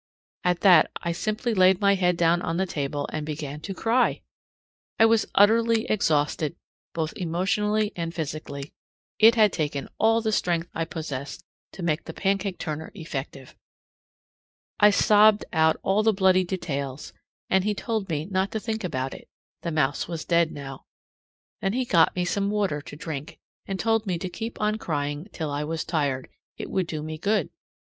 At that I simply laid my head down on the table and began to cry! I was utterly exhausted both emotionally and physically. It had taken all the strength I possessed to make the pancake turner effective. I sobbed out all the bloody details, and he told me not to think about it; the mouse was dead now. Then he got me some water to drink, and told me to keep on crying till I was tired; it would do me good.